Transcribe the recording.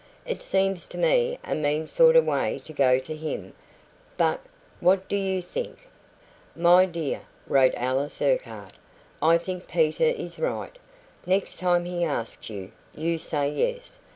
It seems to me a mean sort of way to go to him, but what do YOU think?" "My dear," wrote Alice Urquhart, "I think Peter is right. Next time he asks you, you say yes.